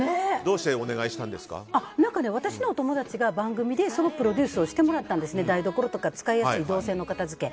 私のお友達が番組でそのプロデュースをしてもらったんですね、台所とか使いやすい動線の片づけ。